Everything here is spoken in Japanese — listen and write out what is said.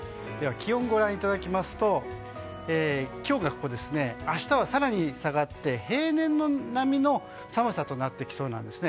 気温をご覧いただくと明日は更に下がって平年並みの寒さとなってきそうなんですね。